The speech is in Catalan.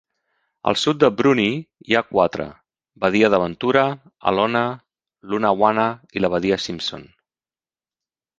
Al sud de Bruny hi ha quatre: badia d'aventura, Alonnah, Lunawanna i la badia Simpson.